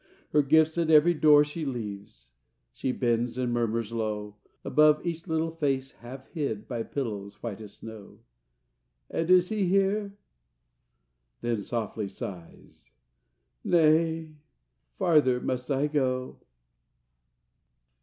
Her gifts at every door she leaves; She bends, and murmurs low, Above each little face half hid By pillows white as snow: "And is He here?" Then, softly sighs, "Nay, farther must I go!"